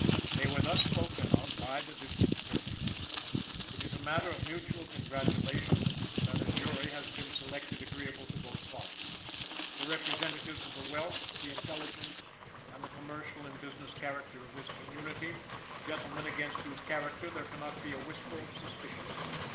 They were thus spoken of by the District Attorney: "It is a matter of mutual congratulation that a jury has been selected agreeable to both parties; the representatives of the wealth, the intelligence, and the commercial and business character of this community; gentlemen against whose character there cannot be a whisper of suspicion.